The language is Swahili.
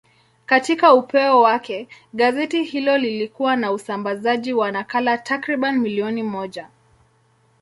Katika upeo wake, gazeti hilo lilikuwa na usambazaji wa nakala takriban milioni moja.